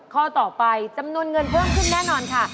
ข้อต่อไปจำนวนเงินเพิ่มขึ้นแน่นอนค่ะ